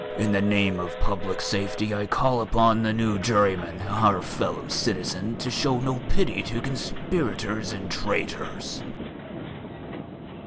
In the name of public safety I call upon the new juryman, our fellow citizen, to show no pity to conspirators and traitors."